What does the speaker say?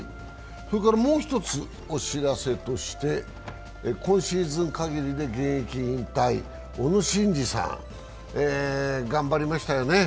もう一つお知らせとして、今シーズン限りで現役引退、小野伸二さん、頑張りましたよね